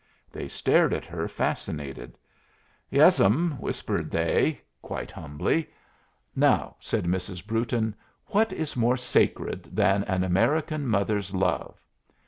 They stared at her, fascinated. "Yes, m'm," whispered they, quite humbly. "Now," said Mrs. Brewton, "what is more sacred than an American mother's love?